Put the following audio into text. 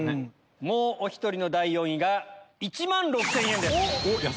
もうお１人の第４位が１万６０００円です。